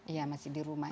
iya masih di rumah